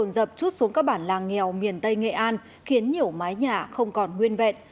dập chút xuống các bản làng nghèo miền tây nghệ an khiến nhiều mái nhà không còn nguyên vẹn